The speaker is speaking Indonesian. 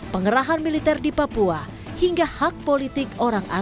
pengerahan militer di papua hingga hak politik orang asing